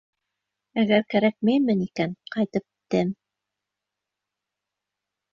Әгәр кәрәкмәймен икән, ҡайтып китәм!